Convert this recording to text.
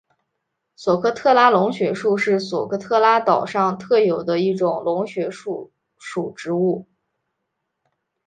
索科特拉龙血树是索科特拉岛上特有的一种龙血树属植物。